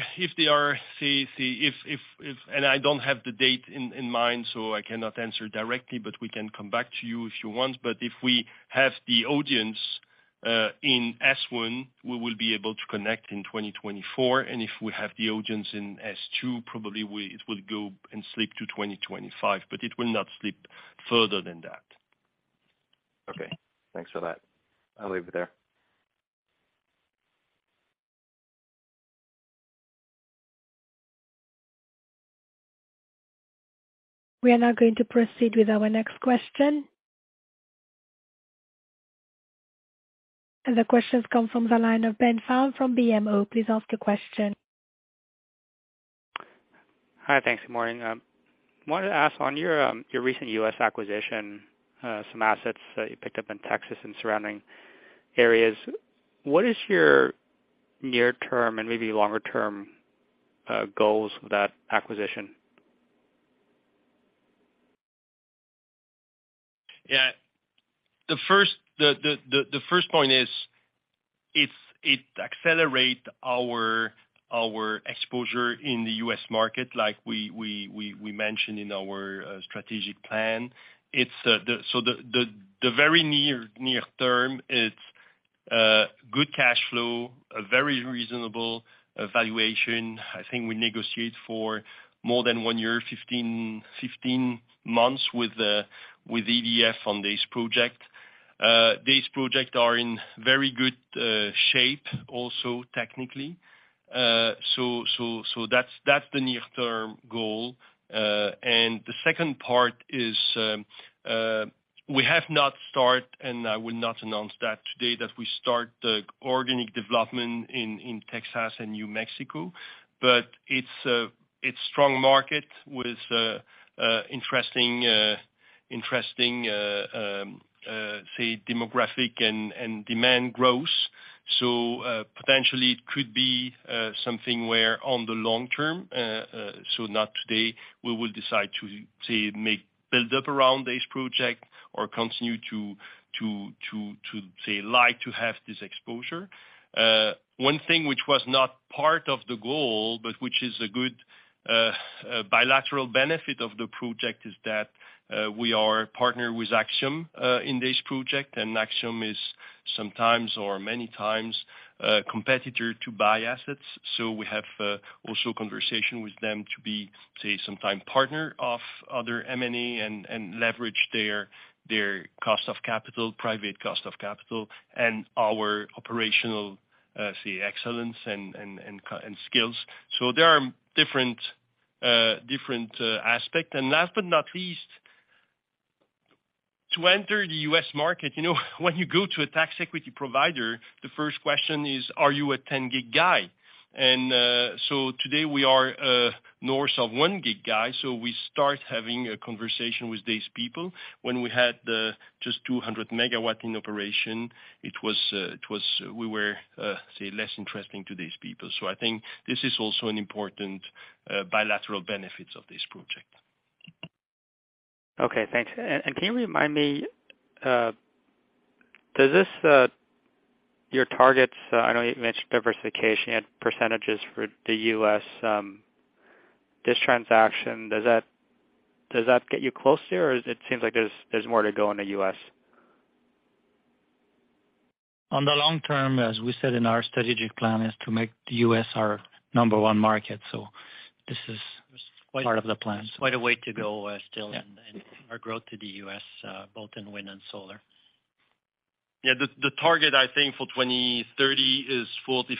say, if. I don't have the date in mind. I cannot answer directly. We can come back to you if you want. If we have the audience in S1, we will be able to connect in 2024. If we have the audience in S2, probably it will go and slip to 2025. It will not slip further than that. Okay. Thanks for that. I'll leave it there. We are now going to proceed with our next question. The question's come from the line of Ben Pham from BMO. Please ask the question. Hi. Thanks. Good morning. wanted to ask on your recent US acquisition, some assets that you picked up in Texas and surrounding areas, what is your near term and maybe longer term, goals with that acquisition? Yeah. The first point is if it accelerate our exposure in the U.S. market like we mentioned in our strategic plan, it's the very near term, it's good cashflow, a very reasonable evaluation. I think we negotiate for more than 1 year, 15 months with EDF on this project. This project are in very good shape also technically. That's the near term goal. The second part is, we have not start, and I will not announce that today, that we start the organic development in Texas and New Mexico. It's a strong market with interesting demographic and demand growth. Potentially it could be something where on the long term, not today, we will decide to make build up around this project or continue to like to have this exposure. One thing which was not part of the goal, but which is a good bilateral benefit of the project, is that we are partnered with Axium in this project, and Axium is sometimes or many times a competitor to buy assets. We have also conversation with them to be sometime partner of other M&A and leverage their cost of capital, private cost of capital, and our operational excellence and skills. There are different aspect. Last but not least, to enter the U.S. market, you know, when you go to a tax equity provider, the first question is, "Are you a 10 gig guy?" Today we are north of 1 gig guy, so we start having a conversation with these people. When we had just 200 megawatt in operation, it was, we were less interesting to these people. I think this is also an important bilateral benefits of this project. Okay, thanks. Can you remind me, does this your targets, I know you mentioned diversification? You had percentages for the US, this transaction. Does that get you closer? Is it seems like there's more to go in the US? On the long term, as we said in our strategic plan, is to make the U.S. our number one market. This is part of the plan. Quite a way to go, still. Yeah. Our growth to the U.S., both in wind and solar. Yeah. The target, I think for 2030 is 45%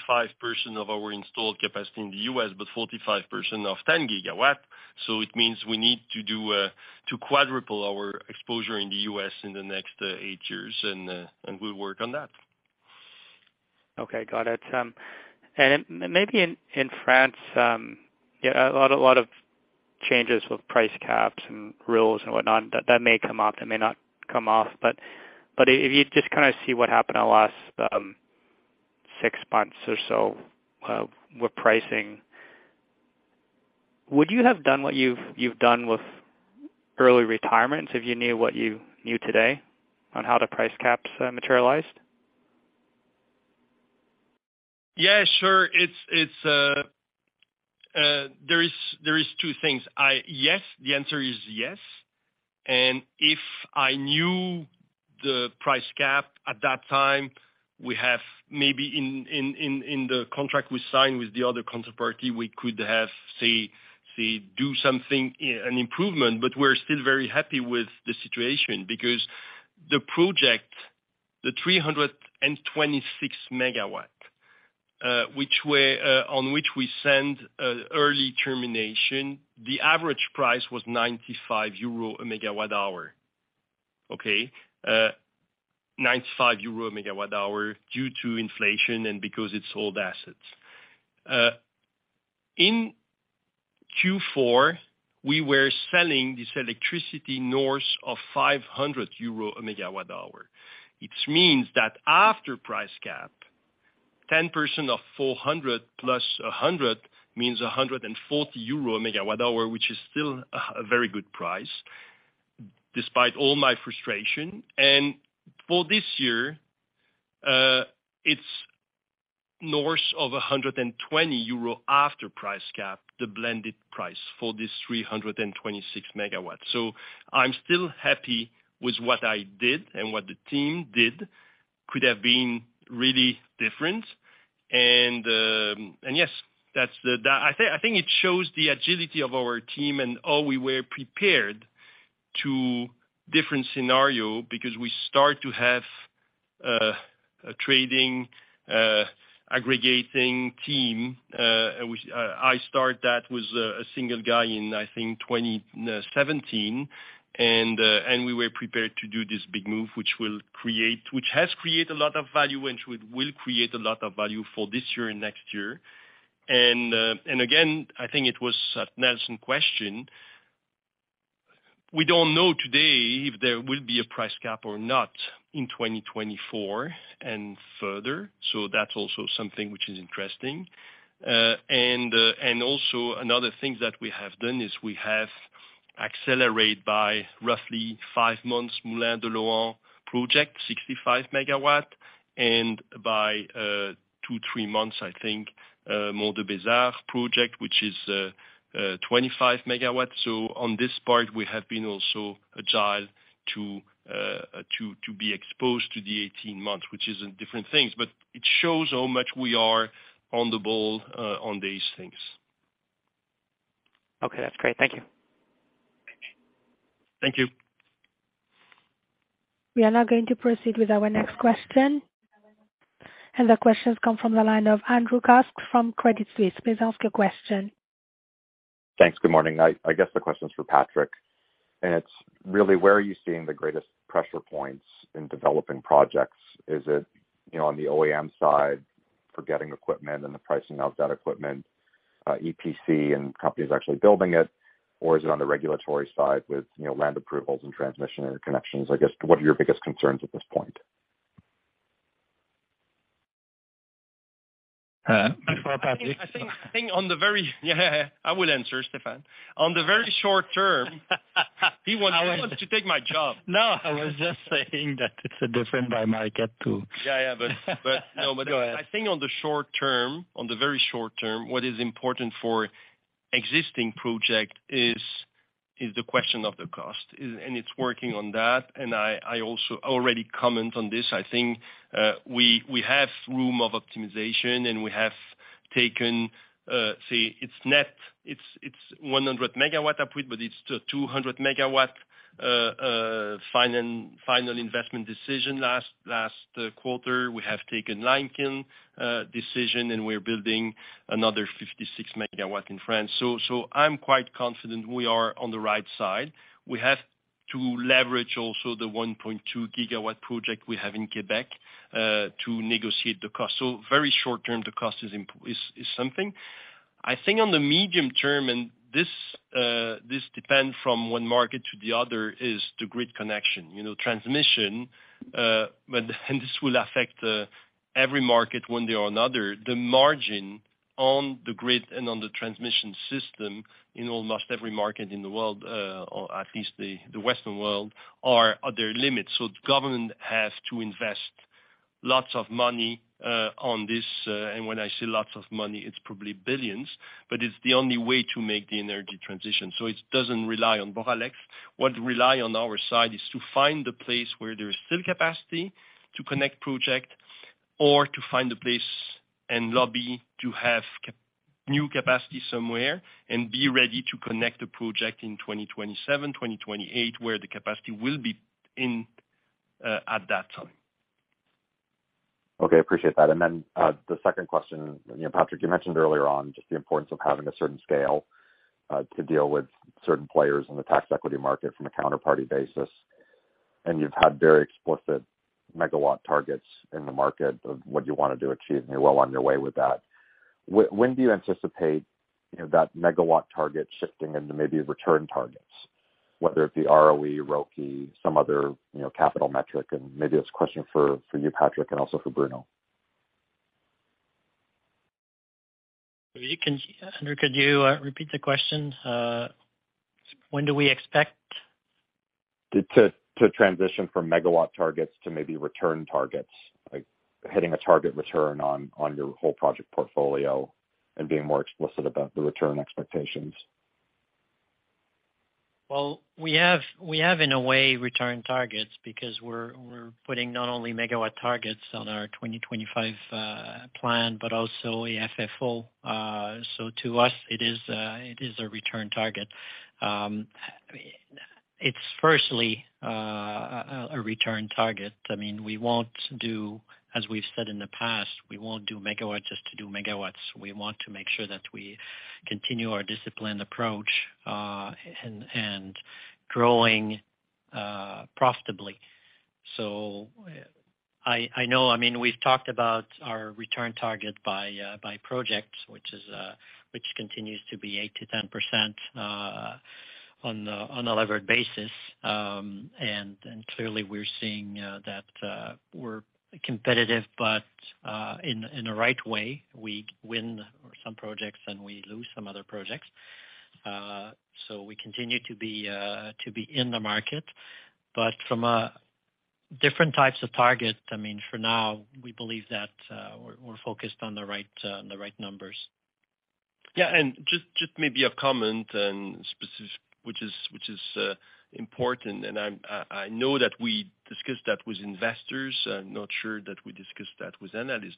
of our installed capacity in the US, but 45% of 10 gigawatt. It means we need to quadruple our exposure in the US in the next 8 years. We'll work on that. Okay. Got it. Maybe in France, you know, a lot of changes with price caps and rules and whatnot that may come off, that may not come off, but if you just kind of see what happened in the last 6 months or so, with pricing, would you have done what you've done with early retirements if you knew what you knew today on how the price caps materialized? Yeah, sure. It's, there is two things. Yes, the answer is yes. If I knew the price cap at that time, we have maybe in the contract we signed with the other counterparty, we could have, say, do something, an improvement. We're still very happy with the situation because the project, the 326 megawatt, which we on which we send early termination, the average price was 95 euro a megawatt hour. Okay. 95 euro a megawatt hour due to inflation and because it's old assets. In Q4, we were selling this electricity north of 500 euro a megawatt hour. It means that after price cap, 10% of 400 plus 100 means 140 euro a megawatt hour, which is still a very good price despite all my frustration. For this year, it's north of 100 euro after price cap, the blended price for this 326 megawatt. I'm still happy with what I did and what the team did could have been really different. Yes, that's the. I think it shows the agility of our team and how we were prepared to different scenario because we start to have a trading, aggregating team. Which I start that with a single guy in, I think 2017. We were prepared to do this big move, which will create. which has created a lot of value, and which will create a lot of value for this year and next year. Again, I think it was Nelson question. We don't know today if there will be a price cap or not in 2024 and further. That's also something which is interesting. And also another thing that we have done is we have accelerate by roughly five months Moulin de la Lan project, 65 MW, and by 2, 3 months, I think, Mont de Bazage project, which is 25 MW. On this part, we have been also agile to be exposed to the 18 months, which is in different things. It shows how much we are on the ball on these things. Okay. That's great. Thank you. Thank you. We are now going to proceed with our next question. The questions come from the line of Andrew Kuske from Credit Suisse. Please ask your question. Thanks. Good morning. I guess the question is for Patrick, and it's really where are you seeing the greatest pressure points in developing projects? Is it, you know, on the OEM side for getting equipment and the pricing of that equipment, EPC, and companies actually building it, or is it on the regulatory side with, you know, land approvals and transmission interconnections? I guess what are your biggest concerns at this point? Uh. For Patrick. I think Yeah. I will answer, Stephan. On the very short term. He wants to take my job. No. I was just saying that it's a different dynamic at too. Yeah. Yeah. Go ahead. I think on the short term, on the very short term, what is important for existing project is the question of the cost is. It's working on that. I also already comment on this. I think we have room of optimization, and we have taken. Say it's net. It's 100 megawatt output, but it's 200 megawatt final investment decision last quarter. We have taken Lincoln decision, and we're building another 56 megawatt in France. I'm quite confident we are on the right side. We have to leverage also the 1.2 gigawatt project we have in Quebec to negotiate the cost. Very short term, the cost is something. I think on the medium term, and this depend from one market to the other, is the grid connection, you know, transmission. This will affect every market one day or another. On the grid and on the transmission system in almost every market in the world, or at least the western world are at their limits. The government has to invest lots of money on this. When I say lots of money, it's probably billions, but it's the only way to make the energy transition, so it doesn't rely on Boralex. What rely on our side is to find the place where there is still capacity to connect project or to find a place and lobby to have new capacity somewhere and be ready to connect the project in 2027, 2028 where the capacity will be in at that time. Okay, appreciate that. The second question, you know, Patrick, you mentioned earlier on just the importance of having a certain scale, to deal with certain players in the tax equity market from a counterparty basis. You've had very explicit megawatt targets in the market of what you want to achieve, and you're well on your way with that. When do you anticipate, you know, that megawatt target shifting into maybe return targets, whether it be ROE, ROCE some other, you know, capital metric? Maybe it's a question for you, Patrick, and also for Bruno. Andrew, could you repeat the question? When do we expect? To transition from megawatt targets to maybe return targets, like hitting a target return on your whole project portfolio and being more explicit about the return expectations. We have in a way return targets because we're putting not only megawatt targets on our 2025 plan, but also AFFO. To us it is a return target. It's firstly a return target. I mean, we won't do, as we've said in the past, we won't do megawatts just to do megawatts. We want to make sure that we continue our disciplined approach and growing profitably. I know, I mean, we've talked about our return target by project, which is which continues to be 8 to 10% on a levered basis. Clearly, we're seeing that we're competitive, but in a right way. We win some projects and we lose some other projects. We continue to be in the market, but from a different types of targets, I mean, for now, we believe that we're focused on the right numbers. Yeah. Just maybe a comment and specific, which is, which is important, and I'm, I know that we discussed that with investors. I'm not sure that we discussed that with analysts.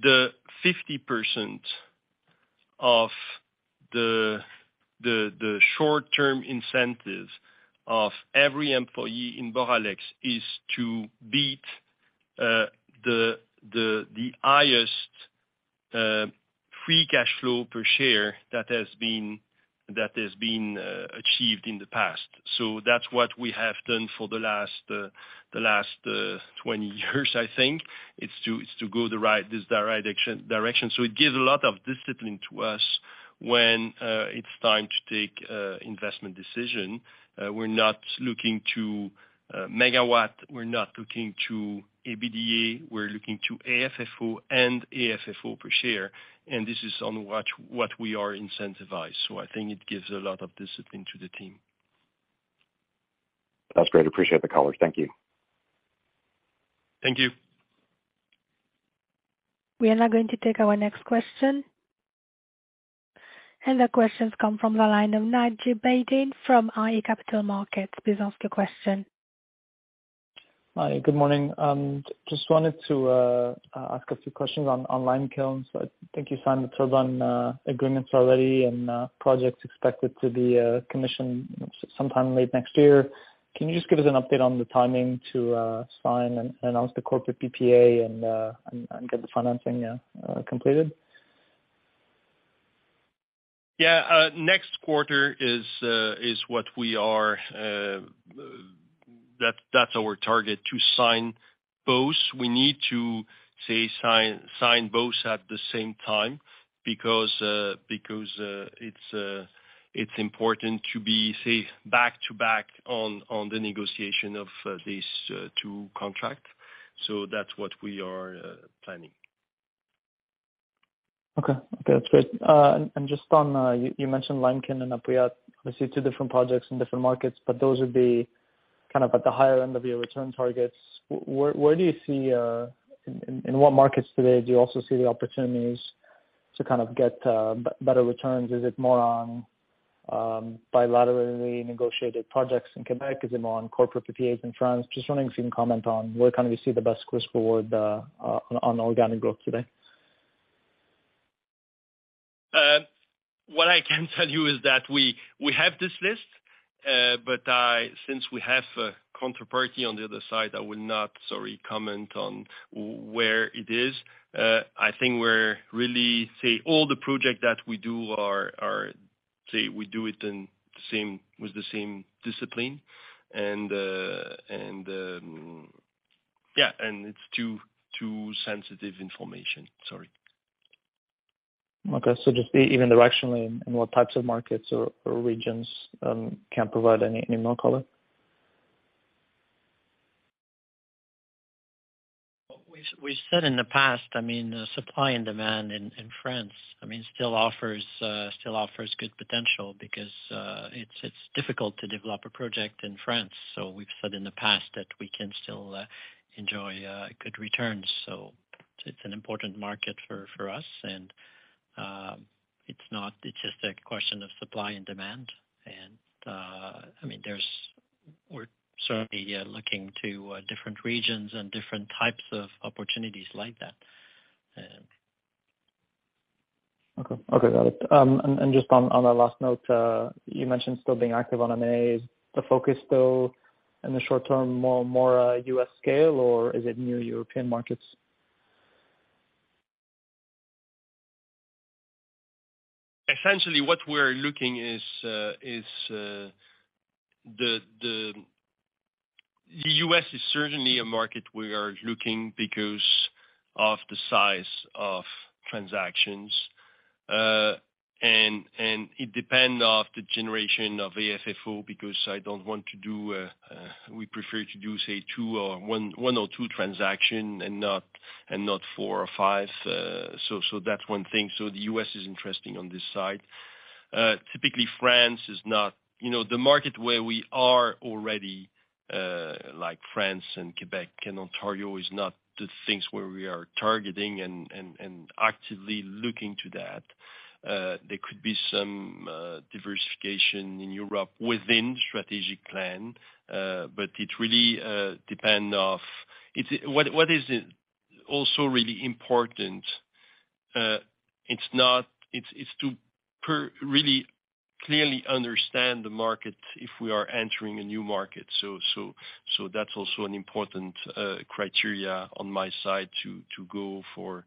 The 50% of the short term incentives of every employee in Boralex is to beat the highest free cash flow per share that has been achieved in the past. That's what we have done for the last 20 years, I think it's to, it's to go the right, this the right direction. It gives a lot of discipline to us when it's time to take investment decision. We're not looking to megawatt. We're not looking to EBITDA. We're looking to AFFO and AFFO per share, and this is on what we are incentivized. I think it gives a lot of discipline to the team. That's great. Appreciate the color. Thank you. Thank you. We are now going to take our next question. The question's come from the line of Naji Baydoun from iA Capital Markets. Please ask your question. Hi, good morning. Just wanted to ask a few questions on Limekiln. I think you signed the turbine agreements already and projects expected to be commissioned sometime late next year. Can you just give us an update on the timing to sign announce the corporate PPA and get the financing completed? Yeah, next quarter is what we are, that's our target to sign both. We need to say sign both at the same time because it's important to be safe back-to-back on the negotiation of these two contract. That's what we are planning. Okay. Okay. That's great. Just on, you mentioned Limekiln and Apuiat, obviously two different projects in different markets, but those would be kind of at the higher end of your return targets. Where do you see in what markets today do you also see the opportunities to kind of get better returns? Is it more on bilaterally negotiated projects in Quebec? Is it more on corporate PPAs in France? Just wondering if you can comment on where kind of you see the best risk reward on organic growth today. What I can tell you is that we have this list, since we have a counterparty on the other side, I will not, sorry, comment on where it is. I think we're really say all the project that we do are, say we do it in the same with the same discipline and, yeah, and its too sensitive information. Sorry. Okay. Just even directionally in what types of markets or regions, can't provide any more color? We've said in the past, I mean, supply and demand in France, I mean, still offers good potential because it's difficult to develop a project in France. We've said in the past that we can still enjoy good returns. It's an important market for us. It's just a question of supply and demand. I mean, we're certainly looking to different regions and different types of opportunities like that. Okay. Okay, got it. Just on that last note, you mentioned still being active on M&A. Is the focus though in the short term more U.S. scale, or is it near European markets? Essentially what we're looking is, the U.S. is certainly a market we are looking because of the size of transactions. It depend of the generation of AFFO, because I don't want to do. We prefer to do, say, 1 or 2 transactions and not 4 or 5. That's one thing. The U.S. is interesting on this side. Typically, France is not, you know, the market where we are already, like France and Quebec and Ontario is not the things where we are targeting and actively looking to that. There could be some diversification in Europe within strategic plan, it really depend of. What is also really important, it's to really clearly understand the market if we are entering a new market. That's also an important criteria on my side to go for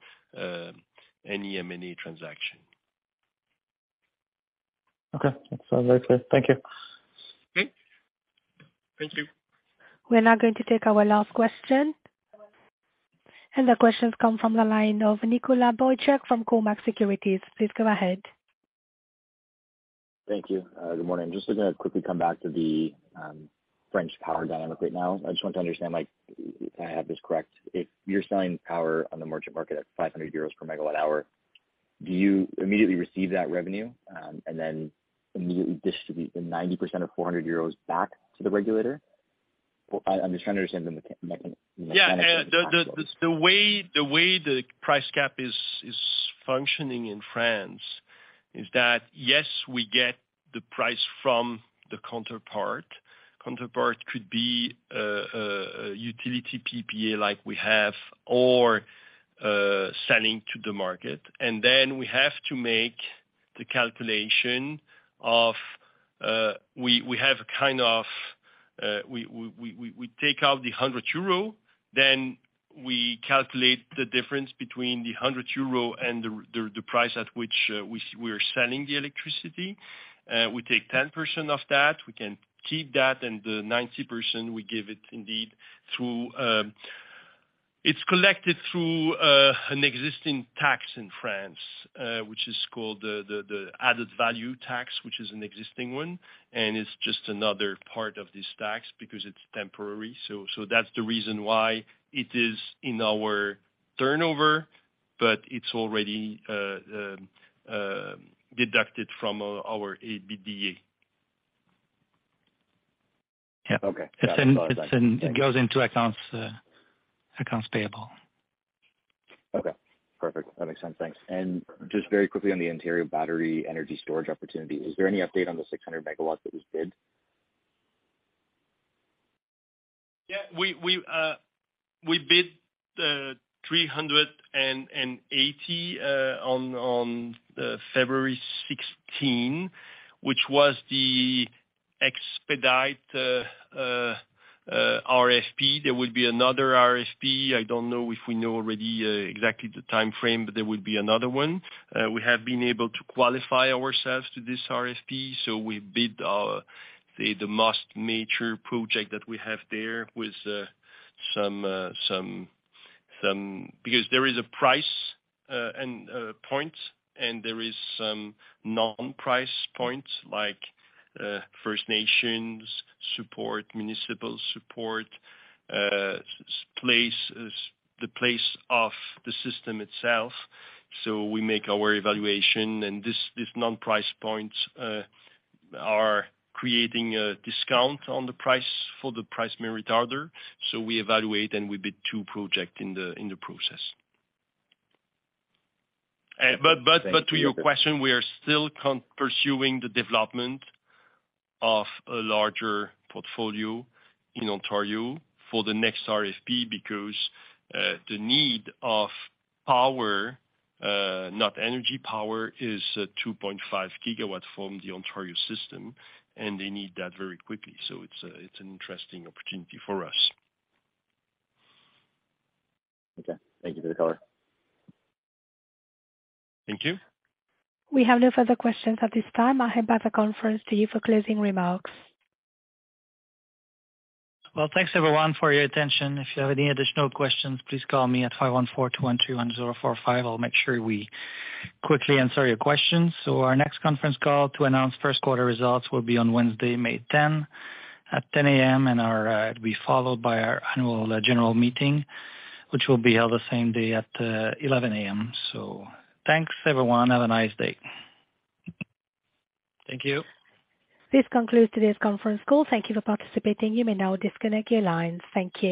any M&A transaction. Okay. That's very clear. Thank you. Okay. Thank you. We're now going to take our last question. The question's come from the line of Nicholas Boychuk from Cormark Securities. Please go ahead. Thank you. Good morning. Just gonna quickly come back to the French power dynamic right now. I just want to understand, like, if I have this correct, if you're selling power on the merchant market at 500 euros per megawatt-hour, do you immediately receive that revenue, and then immediately distribute the 90% of 400 euros back to the regulator? I'm just trying to understand the mechanics of the platform. Yeah. The way the price cap is functioning in France is that, yes, we get the price from the counterpart. Counterpart could be a utility PPA like we have or selling to the market. Then we have to make the calculation of... We have a kind of, we take out the 100 euro, then we calculate the difference between the 100 euro and the price at which we are selling the electricity. We take 10% of that. We can keep that, and the 90%, we give it indeed through... It's collected through an existing tax in France, which is called the added value tax, which is an existing one, and it's just another part of this tax because it's temporary. So that's the reason why it is in our turnover, but it's already deducted from our EBITDA. Okay. It goes into accounts payable. Okay. Perfect. That makes sense. Thanks. Just very quickly on the Ontario battery energy storage opportunity, is there any update on the 600 megawatts that was bid? Yeah. We bid 380 on February 16, which was the expedite RFP. There will be another RFP. I don't know if we know already exactly the timeframe, but there will be another one. We have been able to qualify ourselves to this RFP, so we bid the most major project that we have there with some. Because there is a price point, and there is some non-price points, like First Nations support, municipal support, the place of the system itself. We make our evaluation, and this, these non-price points are creating a discount on the price for the price merit order. We evaluate, and we bid two project in the process. To your question, we are still pursuing the development of a larger portfolio in Ontario for the next RFP because the need of power, not energy, power, is 2.5 GW from the Ontario system, and they need that very quickly. It's an interesting opportunity for us. Okay. Thank you for the color. Thank you. We have no further questions at this time. I'll hand back the conference to you for closing remarks. Well, thanks everyone for your attention. If you have any additional questions, please call me at 514-212-1045. I'll make sure we quickly answer your questions. Our next conference call to announce Q1 results will be on Wednesday, May 10 at 10:00 A.M., and it'll be followed by our annual general meeting, which will be held the same day at 11:00 A.M. Thanks, everyone. Have a nice day. Thank you. This concludes today's conference call. Thank you for participating. You may now disconnect your lines. Thank you.